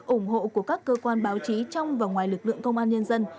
ủng hộ của các cơ quan báo chí trong và ngoài lực lượng công an nhân dân